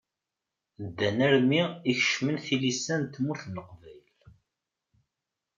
Ddan armi i kecmen tilisa n tmurt n Leqbayel.